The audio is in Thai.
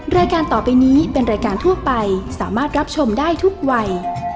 รายการต่อไปนี้เป็นรายการทั่วไปสามารถรับชมได้ทุกวัย